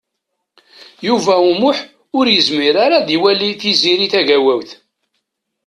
Yuba U Muḥ ur yezmir ara ad iwali Tiziri Tagawawt.